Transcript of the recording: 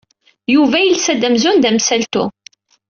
Yuba yelsa-d amzun d amsaltu.